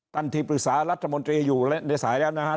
ตันทีปรึกษารัฐมนตรีอยู่ในสายแล้วนะครับ